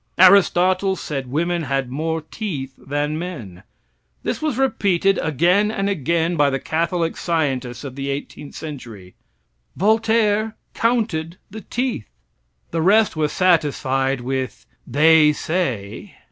Aristotle said women had more teeth than men. This was repeated again and again by the Catholic scientists of the eighteenth century. Voltaire counted the teeth. The rest were satisfied with "they say."